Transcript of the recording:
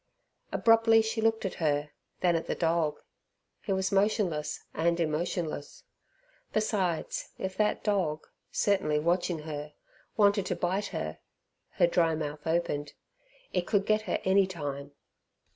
Abruptly she looked at her, then at the dog. He was motionless and emotionless. Besides if that dog certainly watching her wanted to bite her (her dry mouth opened) it could get her any time.